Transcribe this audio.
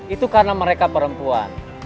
itu karena mereka perempuan